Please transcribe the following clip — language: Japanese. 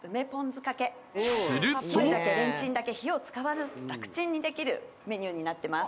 レンチンだけ火を使わぬ楽ちんにできるメニューになってます